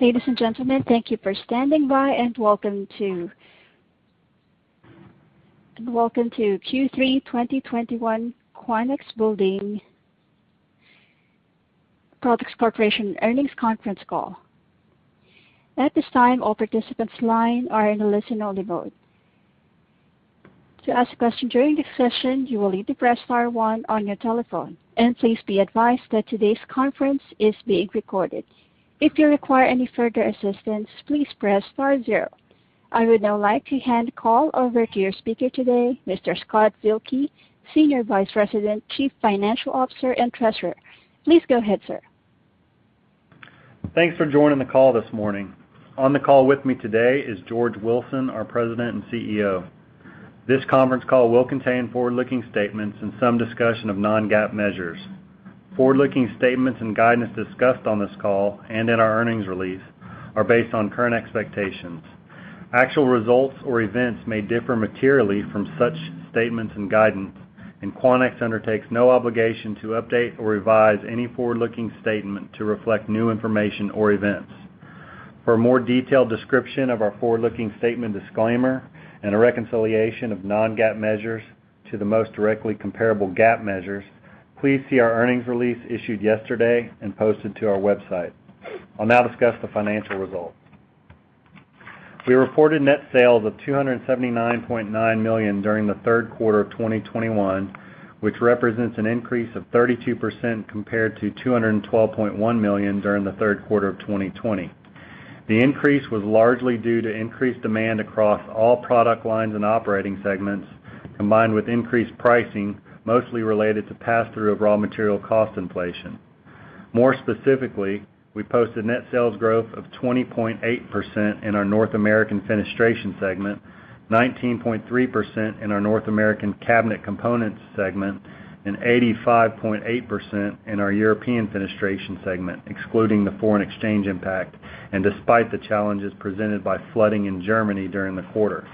Ladies and gentlemen, thank you for standing by. Welcome to Q3 2021 Quanex Building Products Corporation Earnings Conference Call. At this time, all participants' line are in a listen-only mode. To ask a question during the session, you will need to press star one on your telephone, and please be advised that today's conference is being recorded. If you require any further assistance, please press star zero. I would now like to hand call over to your speaker today, Mr. Scott Zuehlke, Senior Vice President, Chief Financial Officer, and Treasurer. Please go ahead, sir Thanks for joining the call this morning. On the call with me today is George Wilson, our President and CEO. This conference call will contain forward-looking statements and some discussion of non-GAAP measures. Forward-looking statements and guidance discussed on this call and in our earnings release are based on current expectations. Actual results or events may differ materially from such statements and guidance, and Quanex undertakes no obligation to update or revise any forward-looking statement to reflect new information or events. For a more detailed description of our forward-looking statement disclaimer and a reconciliation of non-GAAP measures to the most directly comparable GAAP measures, please see our earnings release issued yesterday and posted to our website. I'll now discuss the financial results. We reported net sales of $279.9 million during the third quarter of 2021, which represents an increase of 32% compared to $212.1 million during the third quarter of 2020. The increase was largely due to increased demand across all product lines and operating segments, combined with increased pricing, mostly related to pass-through of raw material cost inflation. More specifically, we posted net sales growth of 20.8% in our North American Fenestration segment, 19.3% in our North American Cabinet Components segment, and 85.8% in our European Fenestration segment, excluding the foreign exchange impact and despite the challenges presented by flooding in Germany during the quarter.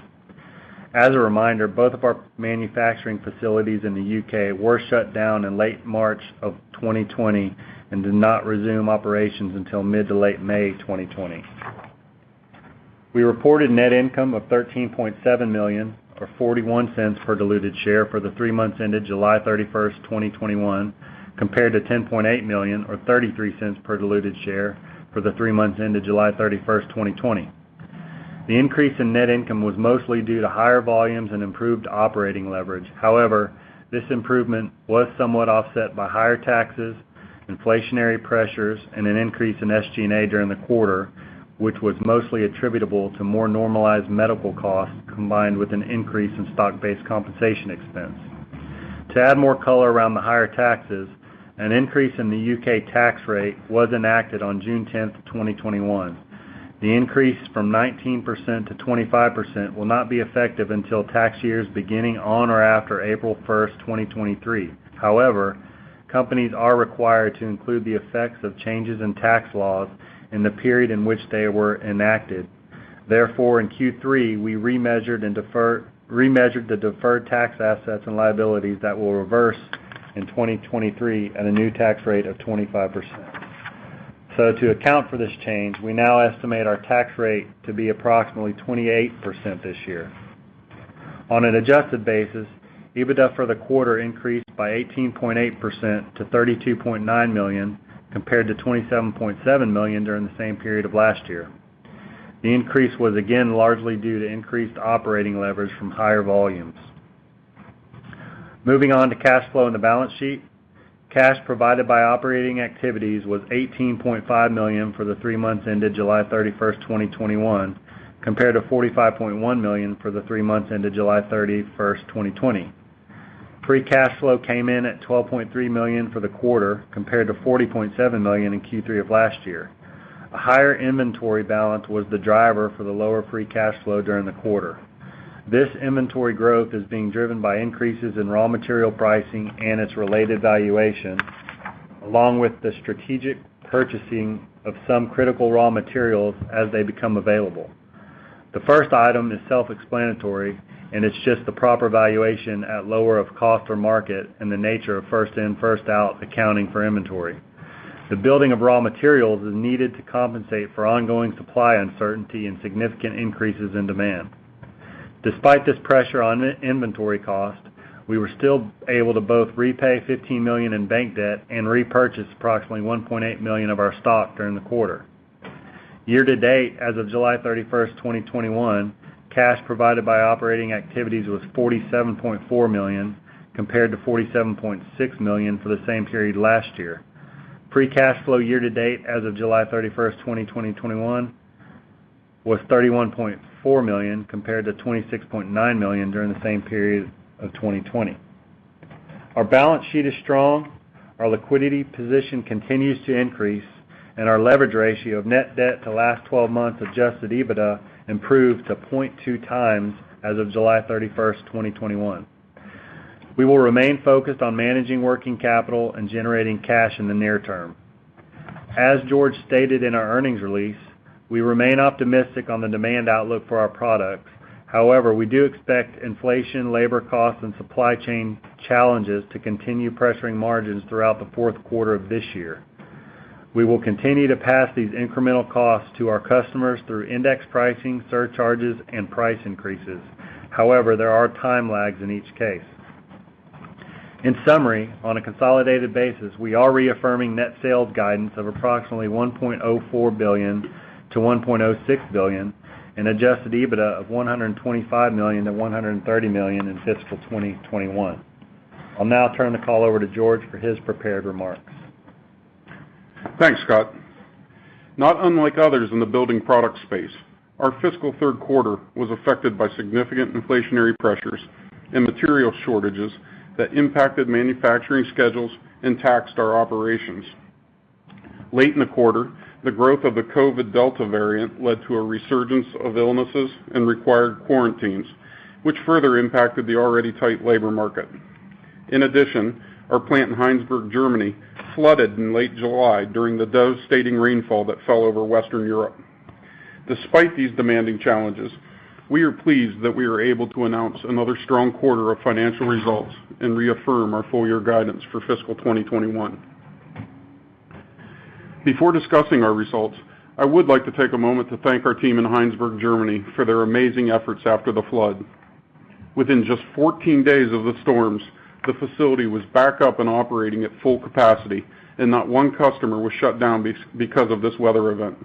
As a reminder, both of our manufacturing facilities in the U.K. were shut down in late March of 2020 and did not resume operations until mid to late May 2020. We reported net income of $13.7 million, or $0.41 per diluted share for the three months ended July 31st, 2021, compared to $10.8 million, or $0.33 per diluted share for the three months ended July 31st, 2020. The increase in net income was mostly due to higher volumes and improved operating leverage. However, this improvement was somewhat offset by higher taxes, inflationary pressures, and an increase in SG&A during the quarter, which was mostly attributable to more normalized medical costs, combined with an increase in stock-based compensation expense. To add more color around the higher taxes, an increase in the U.K. tax rate was enacted on June 10th, 2021. The increase from 19% to 25% will not be effective until tax years beginning on or after April 1st, 2023. However, companies are required to include the effects of changes in tax laws in the period in which they were enacted. Therefore, in Q3, we remeasured the deferred tax assets and liabilities that will reverse in 2023 at a new tax rate of 25%. To account for this change, we now estimate our tax rate to be approximately 28% this year. On an adjusted basis, EBITDA for the quarter increased by 18.8% to $32.9 million, compared to $27.7 million during the same period of last year. The increase was again largely due to increased operating leverage from higher volumes. Moving on to cash flow and the balance sheet. Cash provided by operating activities was $18.5 million for the three months ended July 31st, 2021, compared to $45.1 million for the three months ended July 31st, 2020. Free cash flow came in at $12.3 million for the quarter, compared to $40.7 million in Q3 of last year. A higher inventory balance was the driver for the lower free cash flow during the quarter. This inventory growth is being driven by increases in raw material pricing and its related valuation, along with the strategic purchasing of some critical raw materials as they become available. The first item is self-explanatory, and it's just the proper valuation at lower of cost or market in the nature of first in, first out accounting for inventory. The building of raw materials is needed to compensate for ongoing supply uncertainty and significant increases in demand. Despite this pressure on inventory cost, we were still able to both repay $15 million in bank debt and repurchase approximately $1.8 million of our stock during the quarter. Year to date, as of July 31st, 2021, cash provided by operating activities was $47.4 million, compared to $47.6 million for the same period last year. Free cash flow year to date as of July 31st, 2021 was $31.4 million, compared to $26.9 million during the same period of 2020. Our balance sheet is strong, our liquidity position continues to increase, and our leverage ratio of net debt to last 12 months adjusted EBITDA improved to 0.2x as of July 31st, 2021. We will remain focused on managing working capital and generating cash in the near term. As George stated in our earnings release, we remain optimistic on the demand outlook for our products. However, we do expect inflation, labor costs, and supply chain challenges to continue pressuring margins throughout the fourth quarter of this year. We will continue to pass these incremental costs to our customers through index pricing, surcharges, and price increases. However, there are time lags in each case. In summary, on a consolidated basis, we are reaffirming net sales guidance of approximately $1.04 billion-$1.06 billion and adjusted EBITDA of $125 million-$130 million in fiscal 2021. I'll now turn the call over to George for his prepared remarks. Thanks, Scott. Not unlike others in the building product space, our fiscal third quarter was affected by significant inflationary pressures and material shortages that impacted manufacturing schedules and taxed our operations. Late in the quarter, the growth of the COVID Delta variant led to a resurgence of illnesses and required quarantines, which further impacted the already tight labor market. In addition, our plant in Heinsberg, Germany, flooded in late July during the devastating rainfall that fell over Western Europe. Despite these demanding challenges, we are pleased that we are able to announce another strong quarter of financial results and reaffirm our full year guidance for fiscal 2021. Before discussing our results, I would like to take a moment to thank our team in Heinsberg, Germany, for their amazing efforts after the flood. Within just 14 days of the storms, the facility was back up and operating at full capacity, and not one customer was shut down because of this weather event.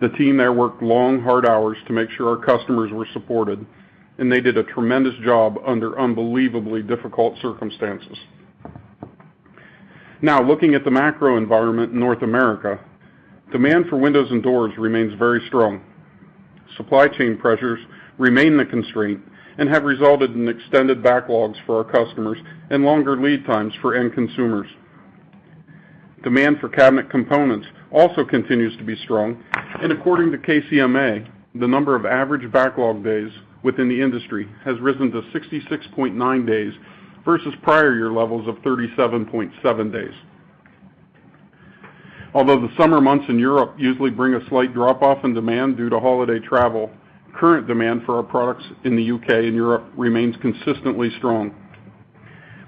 The team there worked long, hard hours to make sure our customers were supported, and they did a tremendous job under unbelievably difficult circumstances. Looking at the macro environment in North America, demand for windows and doors remains very strong. Supply chain pressures remain the constraint and have resulted in extended backlogs for our customers and longer lead times for end consumers. According to KCMA, the number of average backlog days within the industry has risen to 66.9 days versus prior year levels of 37.7 days. Although the summer months in Europe usually bring a slight drop-off in demand due to holiday travel, current demand for our products in the U.K. and Europe remains consistently strong.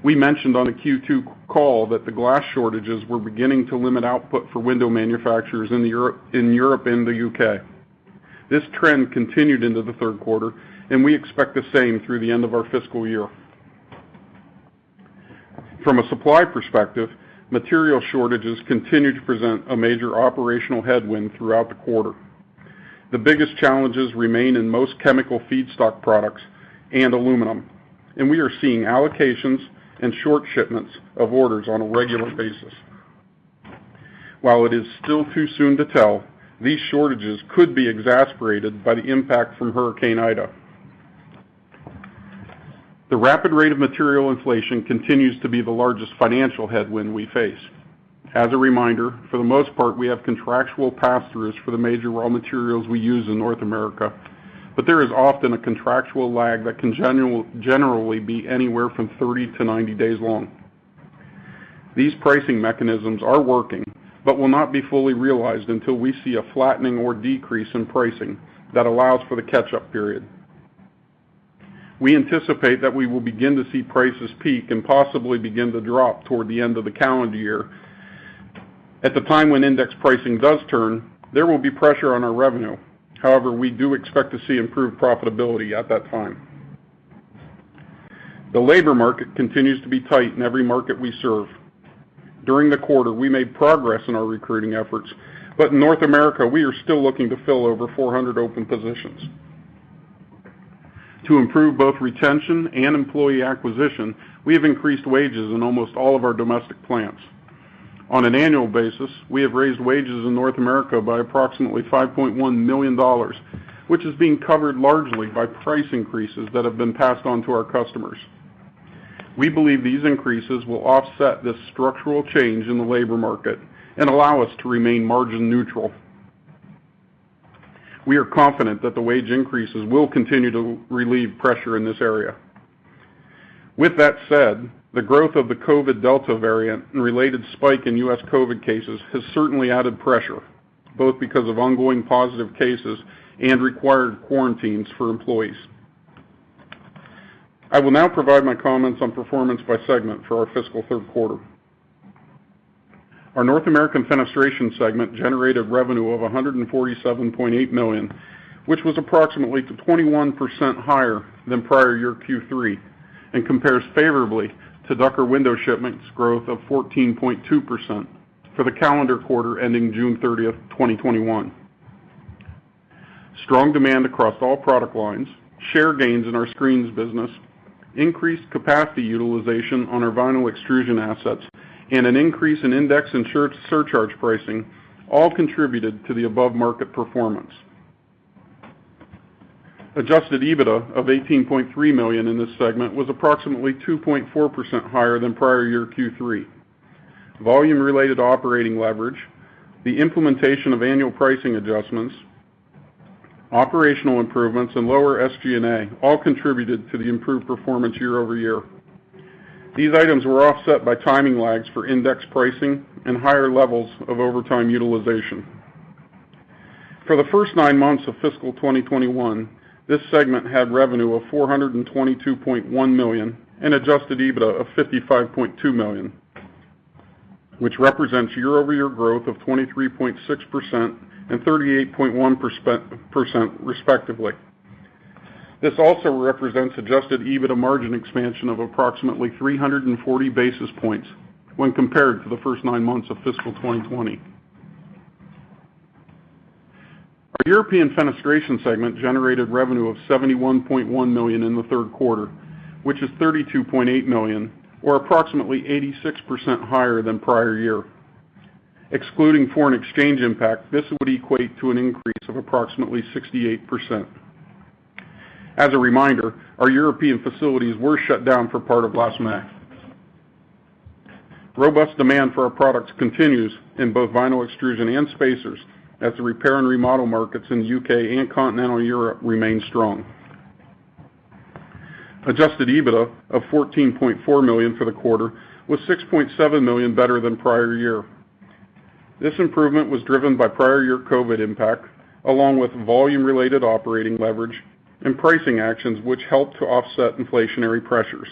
We mentioned on the Q2 call that the glass shortages were beginning to limit output for window manufacturers in Europe and the U.K. This trend continued into the third quarter, and we expect the same through the end of our fiscal year. From a supply perspective, material shortages continued to present a major operational headwind throughout the quarter. The biggest challenges remain in most chemical feedstock products and aluminum, and we are seeing allocations and short shipments of orders on a regular basis. While it is still too soon to tell, these shortages could be exacerbated by the impact from Hurricane Ida. The rapid rate of material inflation continues to be the largest financial headwind we face. As a reminder, for the most part, we have contractual passthroughs for the major raw materials we use in North America, but there is often a contractual lag that can generally be anywhere from 30 to 90 days long. These pricing mechanisms are working but will not be fully realized until we see a flattening or decrease in pricing that allows for the catch-up period. We anticipate that we will begin to see prices peak and possibly begin to drop toward the end of the calendar year. At the time when index pricing does turn, there will be pressure on our revenue. However, we do expect to see improved profitability at that time. The labor market continues to be tight in every market we serve. During the quarter, we made progress in our recruiting efforts, but in North America, we are still looking to fill over 400 open positions. To improve both retention and employee acquisition, we have increased wages in almost all of our domestic plants. On an annual basis, we have raised wages in North America by approximately $5.1 million, which is being covered largely by price increases that have been passed on to our customers. We believe these increases will offset this structural change in the labor market and allow us to remain margin neutral. We are confident that the wage increases will continue to relieve pressure in this area. With that said, the growth of the COVID Delta variant and related spike in U.S. COVID cases has certainly added pressure, both because of ongoing positive cases and required quarantines for employees. I will now provide my comments on performance by segment for our fiscal third quarter. Our North American Fenestration segment generated revenue of $147.8 million, which was approximately 21% higher than prior-year Q3 and compares favorably to Ducker window shipments growth of 14.2% for the calendar quarter ending June 30th, 2021. Strong demand across all product lines, share gains in our screens business, increased capacity utilization on our vinyl extrusion assets, and an increase in index and surcharge pricing all contributed to the above market performance. Adjusted EBITDA of $18.3 million in this segment was approximately 2.4% higher than prior-year Q3. Volume-related operating leverage, the implementation of annual pricing adjustments, operational improvements and lower SG&A all contributed to the improved performance year-over-year. These items were offset by timing lags for index pricing and higher levels of overtime utilization. For the first nine months of fiscal 2021, this segment had revenue of $422.1 million and adjusted EBITDA of $55.2 million, which represents year-over-year growth of 23.6% and 38.1%, respectively. This also represents adjusted EBITDA margin expansion of approximately 340 basis points when compared to the first nine months of fiscal 2020. Our European Fenestration segment generated revenue of $71.1 million in the third quarter, which is $32.8 million, or approximately 86% higher than prior year. Excluding foreign exchange impact, this would equate to an increase of approximately 68%. As a reminder, our European facilities were shut down for part of last May. Robust demand for our products continues in both vinyl extrusion and spacers, as the repair and remodel markets in the U.K. and continental Europe remain strong. Adjusted EBITDA of $14.4 million for the quarter was $6.7 million better than prior year. This improvement was driven by prior year COVID impact, along with volume-related operating leverage and pricing actions, which helped to offset inflationary pressures.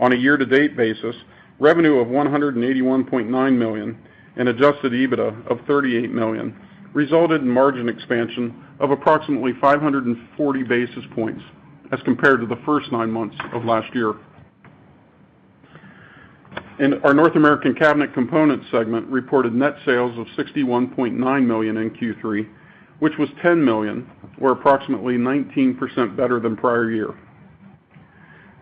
On a year-to-date basis, revenue of $181.9 million and adjusted EBITDA of $38 million resulted in margin expansion of approximately 540 basis points as compared to the first nine months of last year. Our North American Cabinet Components segment reported net sales of $61.9 million in Q3, which was $10 million, or approximately 19% better than prior year.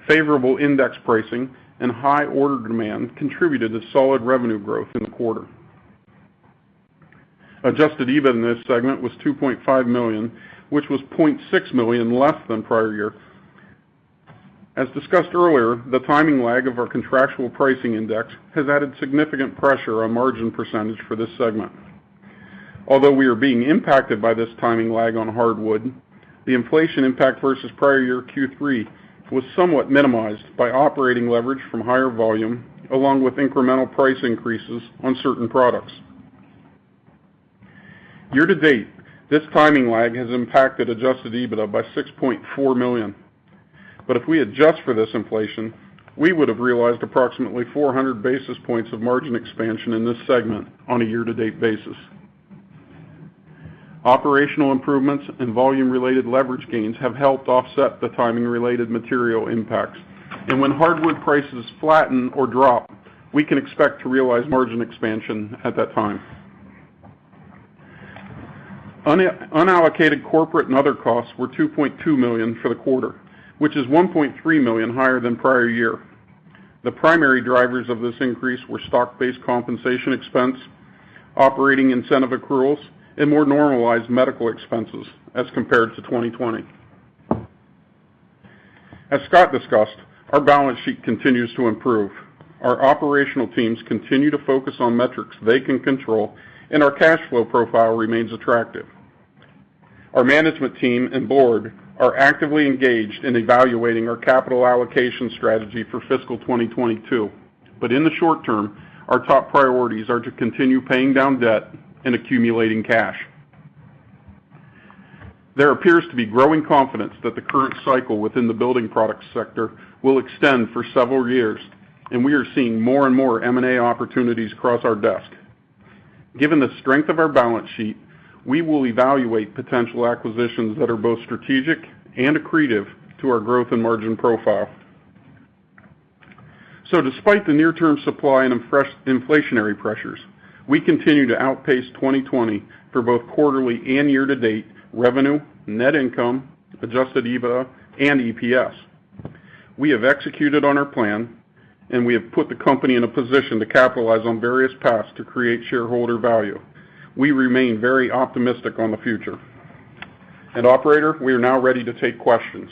Favorable index pricing and high order demand contributed to solid revenue growth in the quarter. Adjusted EBITDA in this segment was $2.5 million, which was $0.6 million less than prior year. As discussed earlier, the timing lag of our contractual pricing index has added significant pressure on margin percentage for this segment. Although we are being impacted by this timing lag on hardwood, the inflation impact versus prior year Q3 was somewhat minimized by operating leverage from higher volume, along with incremental price increases on certain products. Year-to-date, this timing lag has impacted adjusted EBITDA by $6.4 million. If we adjust for this inflation, we would have realized approximately 400 basis points of margin expansion in this segment on a year-to-date basis. Operational improvements and volume-related leverage gains have helped offset the timing-related material impacts. When hardwood prices flatten or drop, we can expect to realize margin expansion at that time. Unallocated corporate and other costs were $2.2 million for the quarter, which is $1.3 million higher than prior year. The primary drivers of this increase were stock-based compensation expense, operating incentive accruals, and more normalized medical expenses as compared to 2020. As Scott discussed, our balance sheet continues to improve. Our operational teams continue to focus on metrics they can control, and our cash flow profile remains attractive. Our management team and board are actively engaged in evaluating our capital allocation strategy for fiscal 2022. In the short term, our top priorities are to continue paying down debt and accumulating cash. There appears to be growing confidence that the current cycle within the building products sector will extend for several years, and we are seeing more and more M&A opportunities cross our desk. Given the strength of our balance sheet, we will evaluate potential acquisitions that are both strategic and accretive to our growth and margin profile. Despite the near-term supply and inflationary pressures, we continue to outpace 2020 for both quarterly and year-to-date revenue, net income, adjusted EBITDA, and EPS. We have executed on our plan, and we have put the company in a position to capitalize on various paths to create shareholder value. We remain very optimistic on the future. Operator, we are now ready to take questions.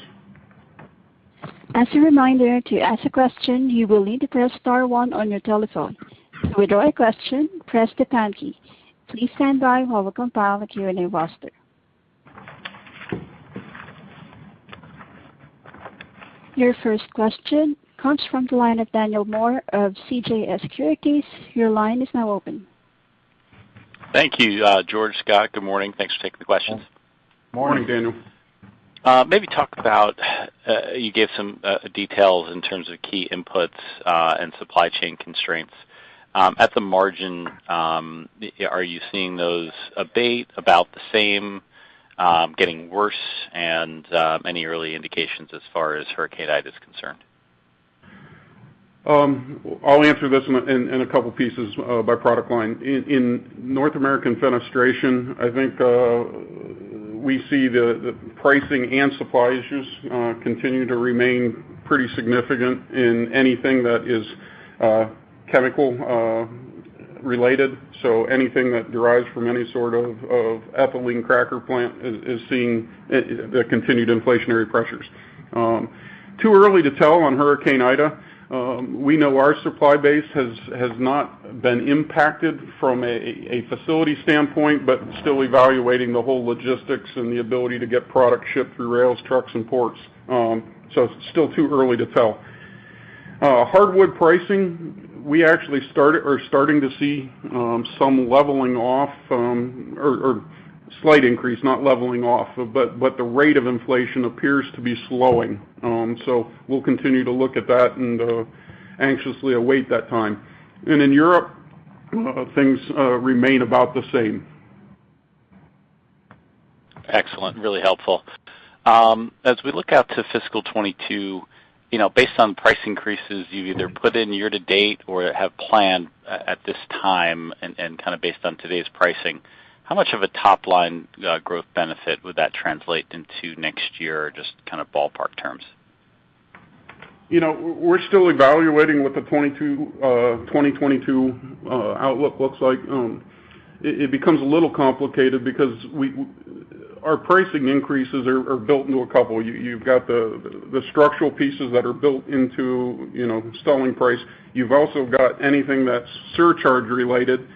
Your first question comes from the line of Daniel Moore of CJS Securities. Your line is now open. Thank you, George, Scott. Good morning. Thanks for taking the questions. Morning, Daniel. Maybe talk about, you gave some details in terms of key inputs and supply chain constraints. At the margin, are you seeing those abate, about the same, getting worse? Any early indications as far as Hurricane Ida is concerned? I'll answer this in two pieces by product line. In North American Fenestration, I think we see the pricing and supply issues continue to remain pretty significant in anything that is chemical-related. Anything that derives from any sort of ethylene cracker plant is seeing the continued inflationary pressures. Too early to tell on Hurricane Ida. We know our supply base has not been impacted from a facility standpoint, but still evaluating the whole logistics and the ability to get product shipped through rails, trucks, and ports. It's still too early to tell. Hardwood pricing, we actually are starting to see some leveling off, or slight increase, not leveling off. The rate of inflation appears to be slowing. We'll continue to look at that and anxiously await that time. In Europe, things remain about the same. Excellent. Really helpful. As we look out to fiscal 2022, based on price increases you've either put in year to date or have planned at this time and based on today's pricing, how much of a top-line growth benefit would that translate into next year, just kind of ballpark terms? We're still evaluating what the 2022 outlook looks like. It becomes a little complicated because our pricing increases are built into a couple. You've got the structural pieces that are built into selling price. You've also got anything that's surcharge-related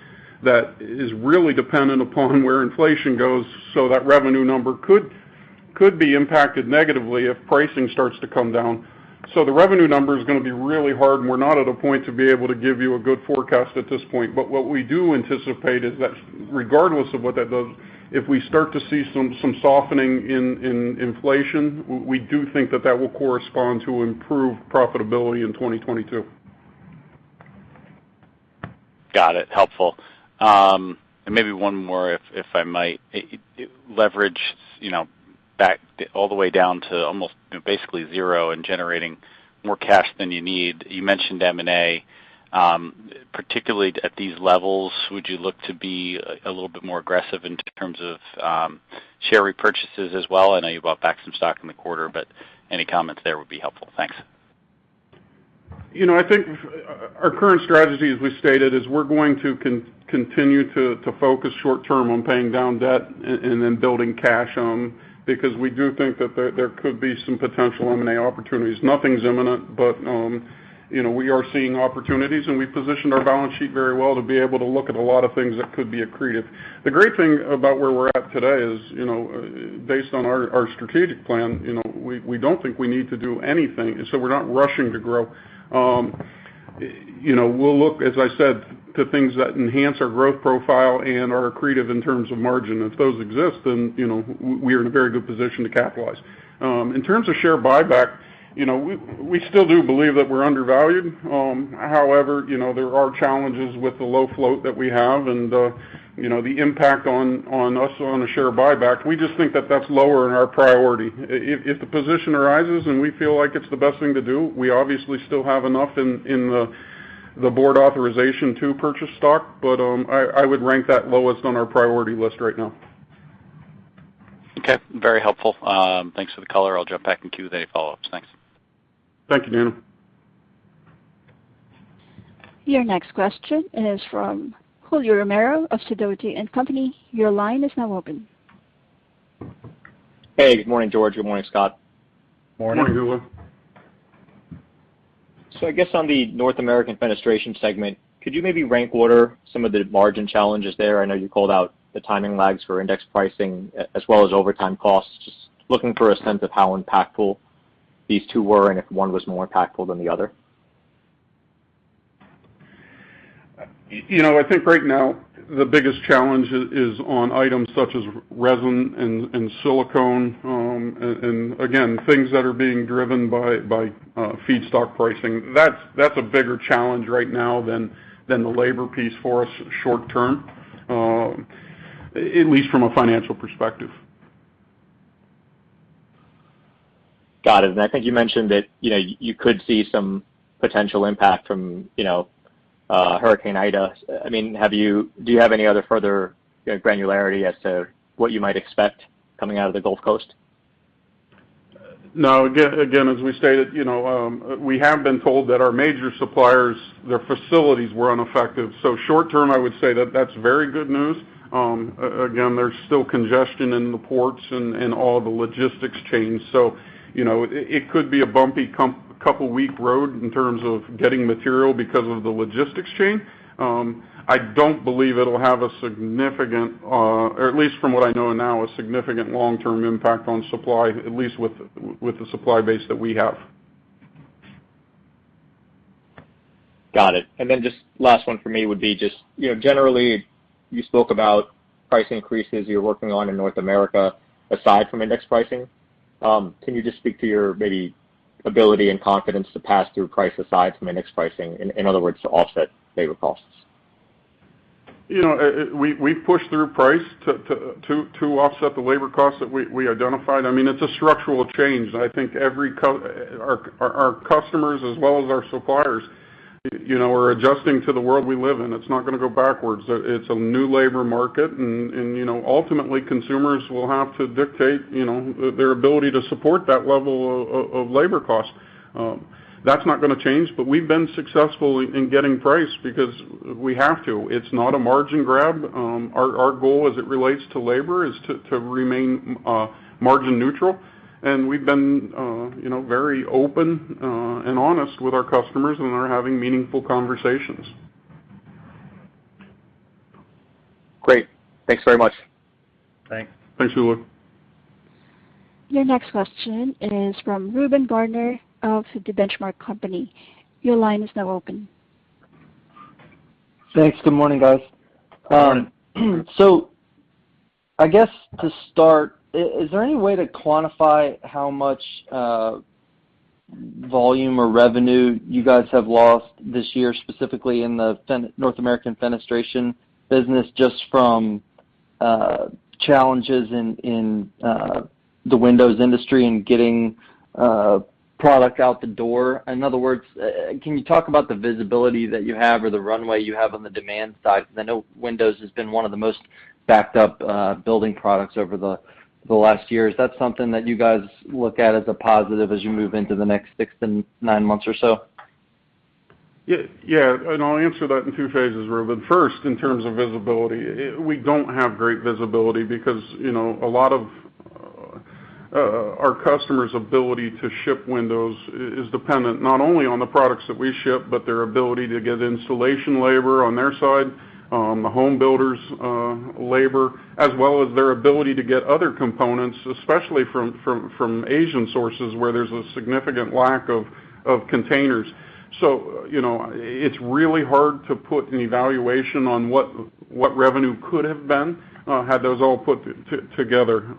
that is really dependent upon where inflation goes. That revenue number could be impacted negatively if pricing starts to come down. The revenue number is going to be really hard, and we're not at a point to be able to give you a good forecast at this point. What we do anticipate is that regardless of what that does, if we start to see some softening in inflation, we do think that that will correspond to improved profitability in 2022. Got it. Helpful. Maybe one more, if I might. Leverage, back all the way down to almost basically zero and generating more cash than you need. You mentioned M&A. Particularly at these levels, would you look to be a little bit more aggressive in terms of share repurchases as well? I know you bought back some stock in the quarter, any comments there would be helpful. Thanks. I think our current strategy, as we stated, is we're going to continue to focus short term on paying down debt and then building cash, because we do think that there could be some potential M&A opportunities. Nothing's imminent, but we are seeing opportunities, and we've positioned our balance sheet very well to be able to look at a lot of things that could be accretive. The great thing about where we're at today is, based on our strategic plan, we don't think we need to do anything, so we're not rushing to grow. We'll look, as I said, to things that enhance our growth profile and are accretive in terms of margin. If those exist, then we are in a very good position to capitalize. In terms of share buyback, we still do believe that we're undervalued. However, there are challenges with the low float that we have and the impact on us on a share buyback. We just think that that's lower in our priority. If the position arises and we feel like it's the best thing to do, we obviously still have enough in the board authorization to purchase stock, but I would rank that lowest on our priority list right now. Okay. Very helpful. Thanks for the color. I'll jump back in queue with any follow-ups. Thanks. Thank you, Daniel. Your next question is from Julio Romero of Sidoti & Company. Your line is now open. Hey, good morning, George. Good morning, Scott. Morning. Morning, Julio. I guess on the North American Fenestration segment, could you maybe rank order some of the margin challenges there? I know you called out the timing lags for index pricing as well as overtime costs. Just looking for a sense of how impactful these two were and if one was more impactful than the other. I think right now the biggest challenge is on items such as resin and silicone, and again, things that are being driven by feedstock pricing. That's a bigger challenge right now than the labor piece for us short term, at least from a financial perspective. Got it. I think you mentioned that you could see some potential impact from Hurricane Ida. Do you have any other further granularity as to what you might expect coming out of the Gulf Coast? No. Again, as we stated, we have been told that our major suppliers, their facilities were unaffected. Short term, I would say that that's very good news. Again, there's still congestion in the ports and all the logistics chains. It could be a bumpy couple-week road in terms of getting material because of the logistics chain. I don't believe it'll have a significant, or at least from what I know now, a significant long-term impact on supply, at least with the supply base that we have. Got it. Just last one for me would be just, generally, you spoke about price increases you're working on in North America, aside from index pricing. Can you just speak to your maybe ability and confidence to pass through price aside from index pricing, in other words, to offset labor costs? We've pushed through price to offset the labor costs that we identified. It's a structural change. I think our customers as well as our suppliers are adjusting to the world we live in. It's not going to go backwards. It's a new labor market. Ultimately, consumers will have to dictate their ability to support that level of labor costs. That's not going to change. We've been successful in getting price because we have to. It's not a margin grab. Our goal as it relates to labor is to remain margin neutral. We've been very open and honest with our customers and are having meaningful conversations. Great. Thanks very much. Thanks. Thanks, Julio Romero. Your next question is from Reuben Garner of The Benchmark Company. Your line is now open. Thanks. Good morning, guys. I guess to start, is there any way to quantify how much volume or revenue you guys have lost this year, specifically in the North American Fenestration business, just from challenges in the windows industry and getting product out the door? In other words, can you talk about the visibility that you have or the runway you have on the demand side? I know windows has been one of the most backed up building products over the last year. Is that something that you guys look at as a positive as you move into the next six to nine months or so? Yeah. I'll answer that in two phases, Reuben. First, in terms of visibility, we don't have great visibility because a lot of our customers' ability to ship windows is dependent not only on the products that we ship, but their ability to get installation labor on their side, the home builders' labor, as well as their ability to get other components, especially from Asian sources, where there's a significant lack of containers. It's really hard to put an evaluation on what revenue could have been had those all put together.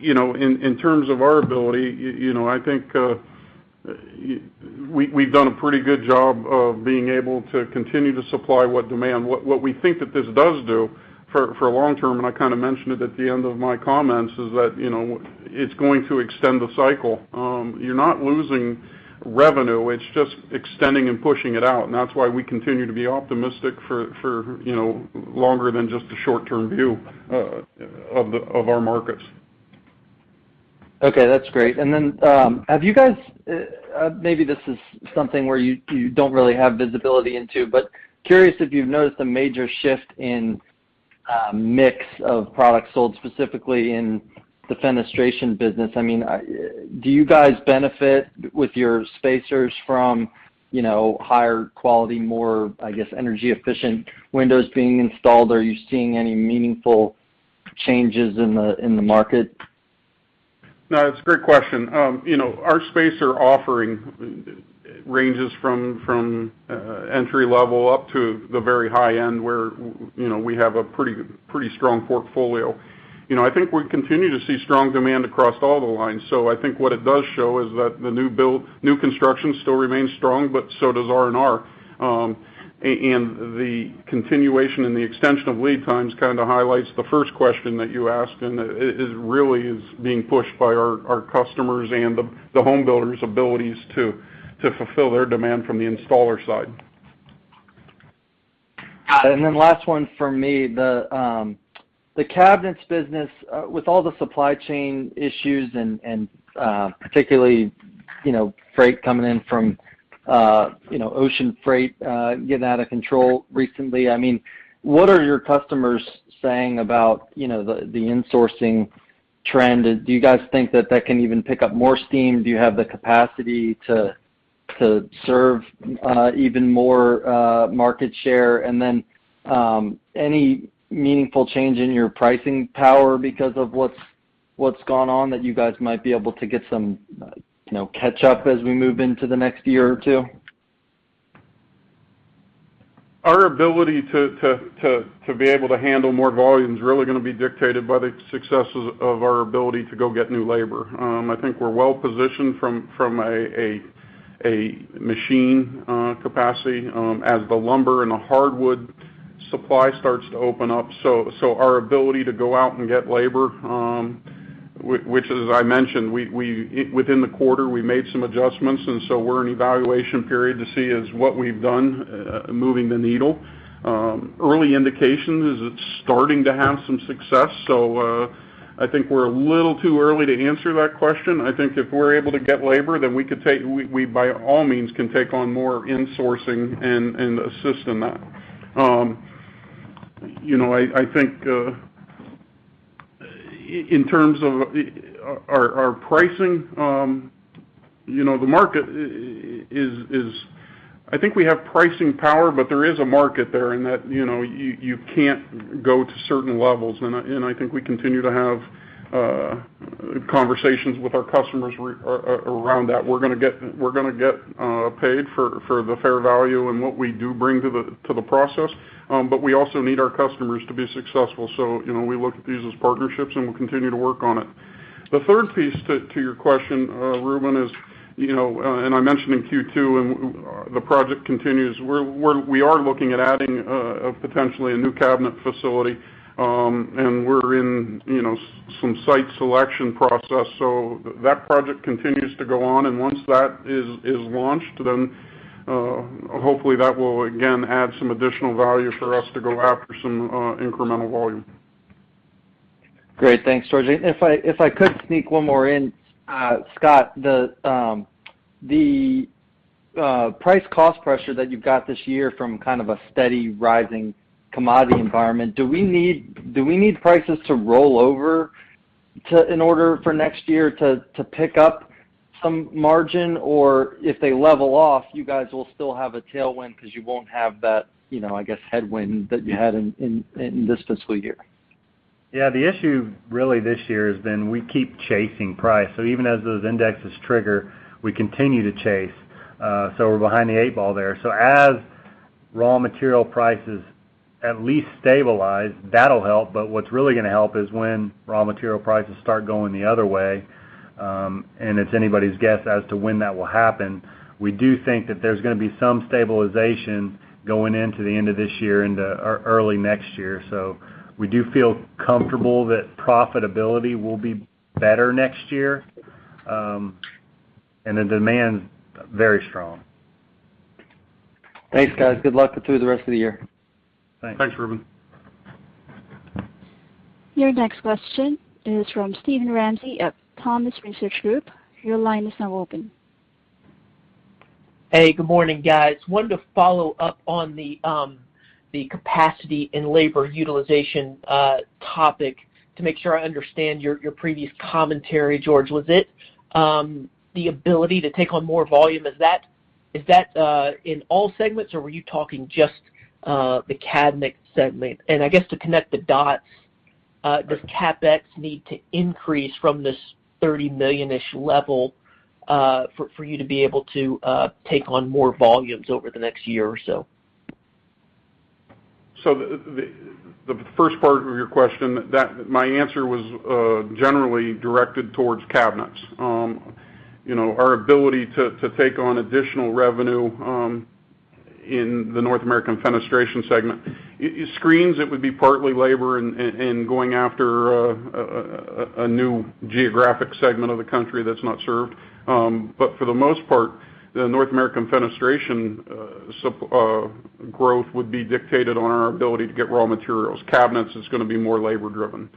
In terms of our ability, I think we've done a pretty good job of being able to continue to supply what demand. What we think that this does do for long term, and I kind of mentioned it at the end of my comments, is that it's going to extend the cycle. You're not losing revenue. It's just extending and pushing it out, and that's why we continue to be optimistic for longer than just a short-term view of our markets. Okay, that's great. Have you guys, maybe this is something where you don't really have visibility into, but curious if you've noticed a major shift in mix of products sold specifically in the fenestration business? Do you guys benefit with your spacers from higher quality, more, I guess, energy-efficient windows being installed? Are you seeing any meaningful changes in the market? No, it's a great question. Our spacer offering ranges from entry level up to the very high end, where we have a pretty strong portfolio. I think we continue to see strong demand across all the lines. I think what it does show is that the new construction still remains strong, but so does R&R. The continuation and the extension of lead times kind of highlights the first question that you asked, and it really is being pushed by our customers and the home builders' abilities to fulfill their demand from the installer side. Last 1 from me. The cabinets business, with all the supply chain issues and particularly freight coming in from ocean freight getting out of control recently, what are your customers saying about the insourcing trend? Do you guys think that that can even pick up more steam? Do you have the capacity to serve even more market share? Any meaningful change in your pricing power because of what's gone on that you guys might be able to get some catch-up as we move into the next year or 2? Our ability to be able to handle more volume is really going to be dictated by the successes of our ability to go get new labor. I think we're well positioned from a machine capacity as the lumber and the hardwood supply starts to open up. Our ability to go out and get labor, which as I mentioned, within the quarter, we made some adjustments, and so we're in an evaluation period to see is what we've done moving the needle. Early indications is it's starting to have some success. I think we're a little too early to answer that question. I think if we're able to get labor, then we, by all means, can take on more insourcing and assist in that. I think in terms of our pricing, I think we have pricing power, but there is a market there, and that you can't go to certain levels, and I think we continue to have conversations with our customers around that. We're going to get paid for the fair value and what we do bring to the process, but we also need our customers to be successful. We look at these as partnerships, and we'll continue to work on it. The third piece to your question, Reuben is, and I mentioned in Q2, and the project continues. We are looking at adding potentially a new cabinet facility, and we're in some site selection process. That project continues to go on, and once that is launched, then hopefully that will again add some additional value for us to go after some incremental volume. Great. Thanks, George. If I could sneak one more in. Scott, the price cost pressure that you've got this year from kind of a steady rising commodity environment, do we need prices to roll over in order for next year to pick up some margin, or if they level off, you guys will still have a tailwind because you won't have that headwind that you had in this fiscal year. Yeah. The issue really this year has been we keep chasing price. Even as those indexes trigger, we continue to chase. We're behind the eight ball there. As raw material prices at least stabilize, that'll help, but what's really going to help is when raw material prices start going the other way, and it's anybody's guess as to when that will happen. We do think that there's going to be some stabilization going into the end of this year into early next year. We do feel comfortable that profitability will be better next year. The demand's very strong. Thanks, guys. Good luck through the rest of the year. Thanks. Thanks, Reuben. Your next question is from Steven Ramsey at Thompson Research Group. Your line is now open. Hey, good morning, guys. Wanted to follow up on the capacity and labor utilization topic to make sure I understand your previous commentary, George. Was it the ability to take on more volume? Is that in all segments, or were you talking just the North American Cabinet Components segment? I guess to connect the dots, does CapEx need to increase from this $30 million-ish level for you to be able to take on more volumes over the next year or so? The first part of your question, my answer was generally directed towards cabinets. Our ability to take on additional revenue in the North American Fenestration segment. Screens, it would be partly labor and going after a new geographic segment of the country that's not served. For the most part, the North American Fenestration growth would be dictated on our ability to get raw materials. Cabinets is going to be more labor-driven.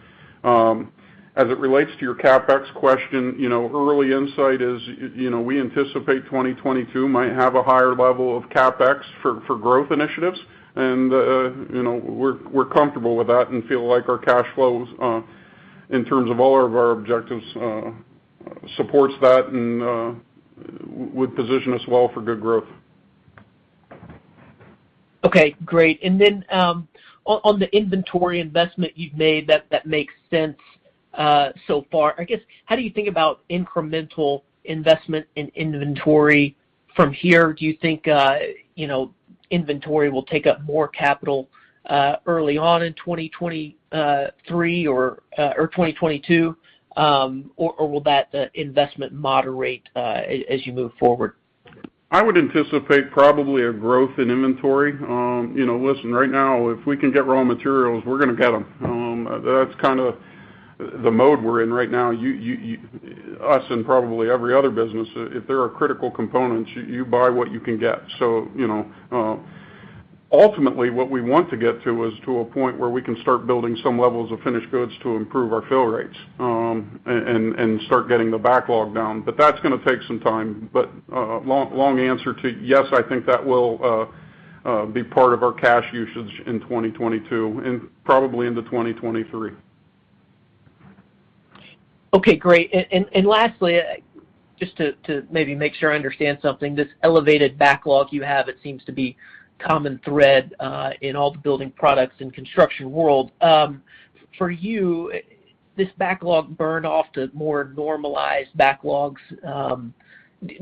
As it relates to your CapEx question, early insight is we anticipate 2022 might have a higher level of CapEx for growth initiatives. We're comfortable with that and feel like our cash flows in terms of all of our objectives supports that and would position us well for good growth. Okay. Great. Then on the inventory investment you've made, that makes sense so far. I guess, how do you think about incremental investment in inventory from here? Do you think inventory will take up more capital early on in 2023 or 2022? Will that investment moderate as you move forward? I would anticipate probably a growth in inventory. Listen, right now, if we can get raw materials, we're going to get them. That's kind of the mode we're in right now. Us and probably every other business, if there are critical components, you buy what you can get. Ultimately, what we want to get to is to a point where we can start building some levels of finished goods to improve our fill rates and start getting the backlog down. That's going to take some time. Long answer to, yes, I think that will be part of our cash usage in 2022 and probably into 2023. Okay, great. Lastly, just to maybe make sure I understand something, this elevated backlog you have, it seems to be common thread in all the building products and construction world. For you, this backlog burn off to more normalized backlogs,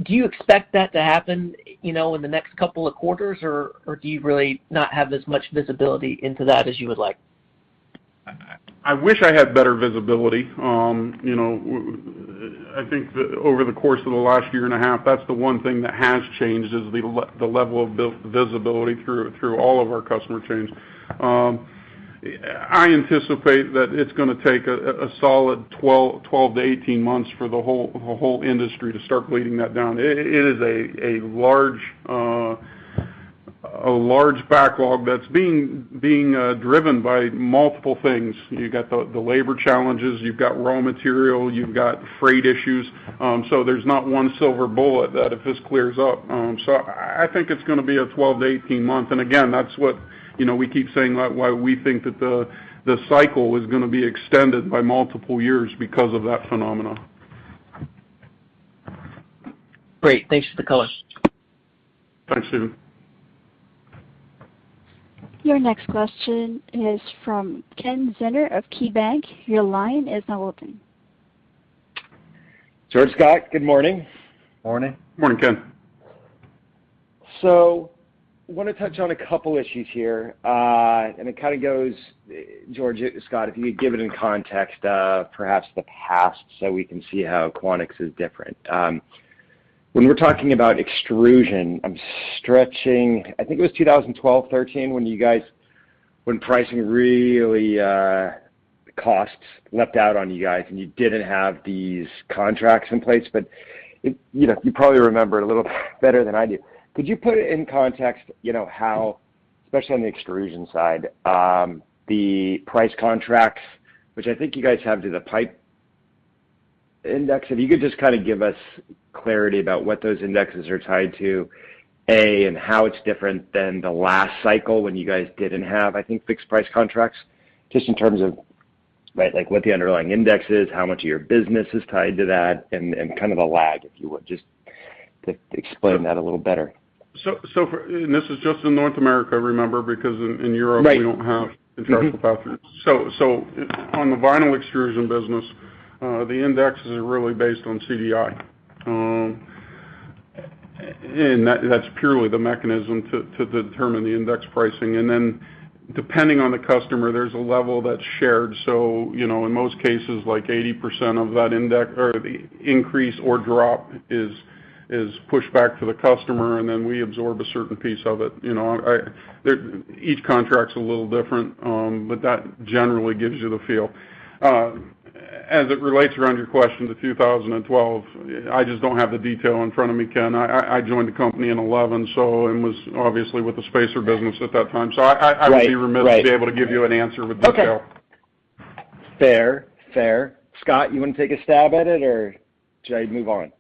do you expect that to happen in the next couple of quarters, or do you really not have as much visibility into that as you would like? I wish I had better visibility. I think that over the course of the last year and a half, that's the one thing that has changed is the level of visibility through all of our customer chains. I anticipate that it's going to take a solid 12 to 18 months for the whole industry to start bleeding that down. It is a large backlog that's being driven by multiple things. You got the labor challenges, you've got raw material, you've got freight issues. There's not one silver bullet that if this clears up. I think it's going to be a 12 to 18 month. Again, that's what we keep saying why we think that the cycle is going to be extended by multiple years because of that phenomena. Great. Thanks for the color. Thanks, Steven. Your next question is from Ken Zener of KeyBanc. Your line is now open. George, Scott, good morning. Morning. Morning, Ken. Want to touch on a couple issues here. It kind of goes, George, Scott, if you give it in context of perhaps the past so we can see how Quanex is different. When we're talking about extrusion, I'm stretching, I think it was 2012, 2013 when pricing really, costs leapt out on you guys and you didn't have these contracts in place. You probably remember it a little better than I do. Could you put it in context how, especially on the extrusion side, the price contracts, which I think you guys have to the price index, if you could just give us clarity about what those indexes are tied to, A, and how it's different than the last cycle when you guys didn't have, I think, fixed price contracts, just in terms of what the underlying index is, how much of your business is tied to that, and kind of a lag, if you would, just explain that a little better. this is just in North America, remember, because in Europe- Right we don't have contractual contracts. On the vinyl extrusion business, the index is really based on CDI. That's purely the mechanism to determine the index pricing. Then depending on the customer, there's a level that's shared. In most cases, 80% of the increase or drop is pushed back to the customer, and then we absorb a certain piece of it. Each contract's a little different, but that generally gives you the feel. As it relates around your question, the 2012, I just don't have the detail in front of me, Ken. I joined the company in 2011, and was obviously with the spacer business at that time. Right be remiss to be able to give you an answer with detail. Okay. Fair. Scott, you want to take a stab at it, or should I move on?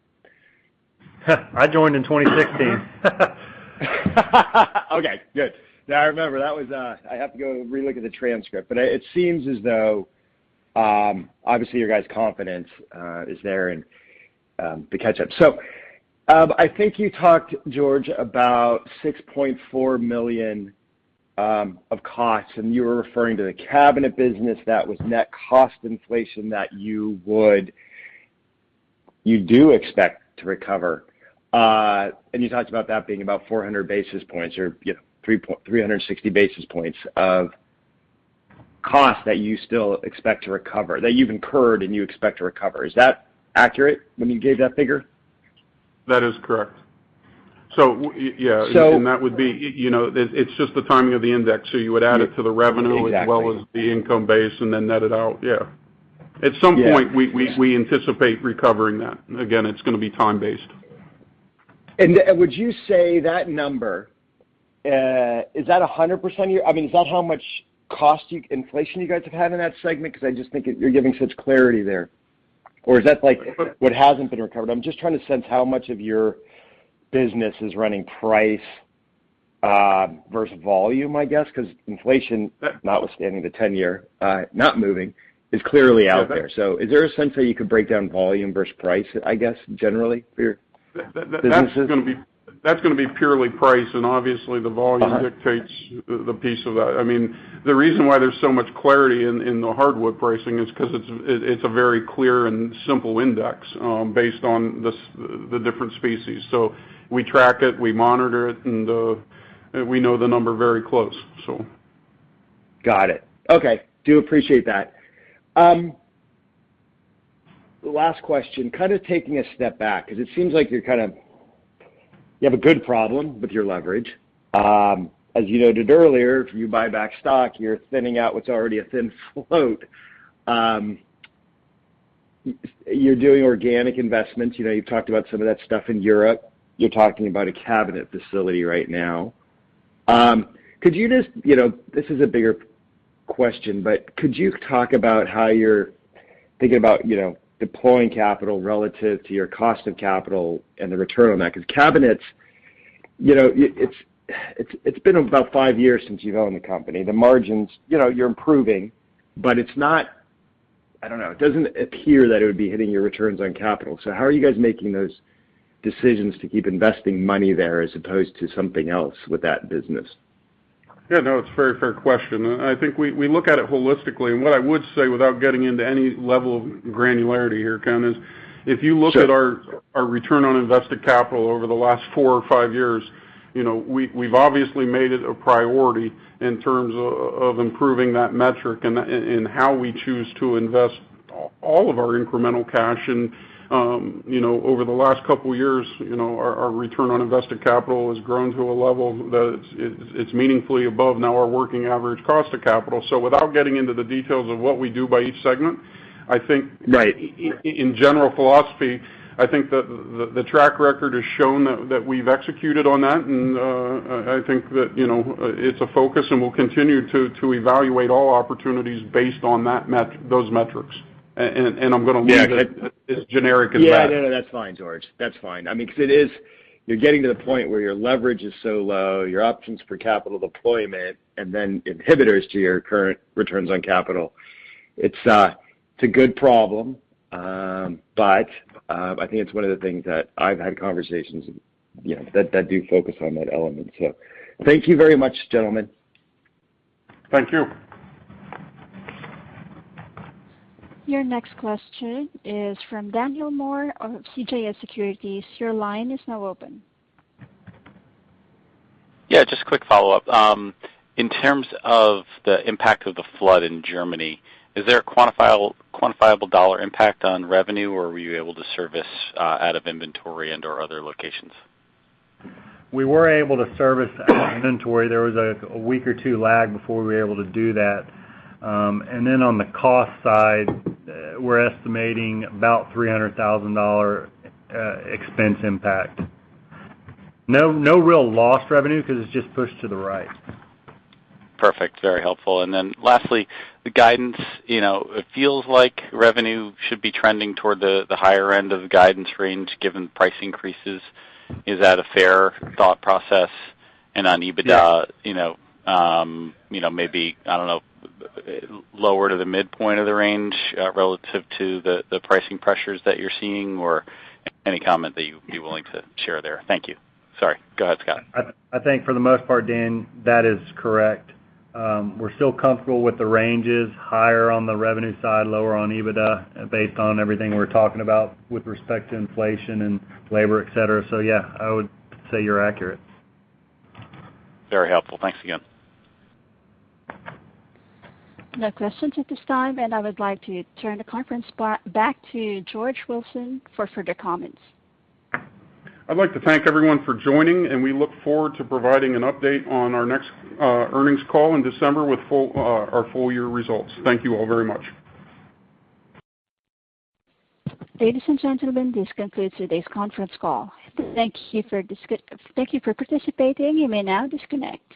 I joined in 2016. Okay, good. Now I remember. I have to go re-look at the transcript. It seems as though, obviously, your guys' confidence is there in the catch-up. I think you talked, George, about $6.4 million of costs, and you were referring to the cabinet business that was net cost inflation that you do expect to recover. You talked about that being about 400 basis points or 360 basis points of cost that you still expect to recover, that you've incurred and you expect to recover. Is that accurate when you gave that figure? That is correct. Yeah. So- That would be, it's just the timing of the index. Exactly as well as the income base and then net it out. Yeah. Yeah. At some point, we anticipate recovering that. Again, it's going to be time-based. Would you say that number, is that 100% Is that how much cost inflation you guys have had in that segment, because I just think you're giving such clarity there. Is that like what hasn't been recovered? I'm just trying to sense how much of your business is running price versus volume, I guess, because inflation, notwithstanding the 10-year not moving, is clearly out there. Is there a sense how you could break down volume versus price, I guess, generally for your businesses? That's going to be purely price, and obviously the volume dictates the piece of that. The reason why there's so much clarity in the hardwood pricing is because it's a very clear and simple index based on the different species. We track it, we monitor it, and we know the number very close, so. Got it. Okay. Do appreciate that. Last question, kind of taking a step back, because it seems like you have a good problem with your leverage. As you noted earlier, if you buy back stock, you're thinning out what's already a thin float. You're doing organic investments. You've talked about some of that stuff in Europe. You're talking about a cabinet facility right now. This is a bigger question, but could you talk about how you're thinking about deploying capital relative to your cost of capital and the return on that? Cabinets, it's been about five years since you've owned the company. The margins, you're improving, but it's not, I don't know, it doesn't appear that it would be hitting your returns on capital. How are you guys making those decisions to keep investing money there as opposed to something else with that business? Yeah, no, it's a very fair question. I think we look at it holistically, and what I would say, without getting into any level of granularity here, Ken, is if you look at our return on invested capital over the last four or five years, we've obviously made it a priority in terms of improving that metric and how we choose to invest all of our incremental cash. Over the last couple of years, our return on invested capital has grown to a level that it's meaningfully above now our working average cost of capital. Without getting into the details of what we do by each segment, I think- Right In general philosophy, I think that the track record has shown that we've executed on that, and I think that it's a focus, and we'll continue to evaluate all opportunities based on those metrics. Yeah as generic as that. Yeah, no, that's fine, George. That's fine. You're getting to the point where your leverage is so low, your options for capital deployment, and then inhibitors to your current returns on capital. It's a good problem. I think it's one of the things that I've had conversations that do focus on that element. Thank you very much, gentlemen. Thank you. Your next question is from Daniel Moore of CJS Securities. Your line is now open. Yeah, just a quick follow-up. In terms of the impact of the flood in Germany, is there a quantifiable dollar impact on revenue, or were you able to service out of inventory and, or other locations? We were able to service inventory. There was a week or two lag before we were able to do that. On the cost side, we're estimating about $300,000 expense impact. No real lost revenue because it's just pushed to the right. Perfect. Very helpful. Then lastly, the guidance. It feels like revenue should be trending toward the higher end of the guidance range given price increases. Is that a fair thought process? Yeah maybe, I don't know, lower to the midpoint of the range relative to the pricing pressures that you're seeing, or any comment that you'd be willing to share there? Thank you. Sorry. Go ahead, Scott. I think for the most part, Dan, that is correct. We're still comfortable with the ranges, higher on the revenue side, lower on EBITDA, based on everything we're talking about with respect to inflation and labor, et cetera. Yeah, I would say you're accurate. Very helpful. Thanks again. No questions at this time. I would like to turn the conference back to George Wilson for further comments. I'd like to thank everyone for joining, and we look forward to providing an update on our next earnings call in December with our full year results. Thank you all very much. Ladies and gentlemen, this concludes today's conference call. Thank you for participating. You may now disconnect.